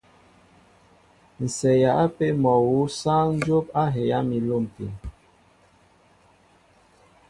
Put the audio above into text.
Ǹ seeya ápē mol awu sááŋ dyóp a heyá mi a lômpin.